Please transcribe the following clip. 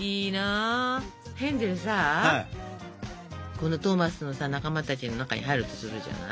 このトーマスのさ仲間たちの中に入るとするじゃない？